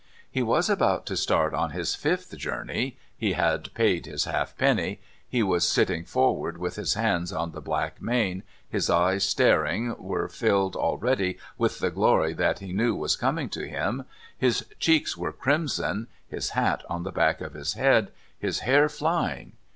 He was about to start on his fifth journey, he had paid his halfpenny, he was sitting forward with his hands on the black mane, his eyes, staring, were filled already with the glory that he knew was coming to him, his cheeks were crimson, his hat on the back of his head, his hair flying.